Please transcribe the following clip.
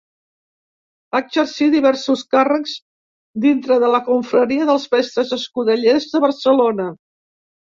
Va exercir diversos càrrecs dintre de la confraria dels mestres escudellers de Barcelona.